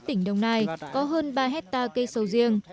tỉnh đồng nai có hơn ba hectare cây sầu riêng